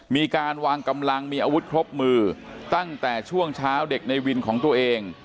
มีการวางกำลังมีอาวุธครบมือตั้งแต่ช่วงเช้าเด็กในวินของตัวเอง